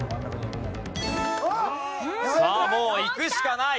さあもういくしかない。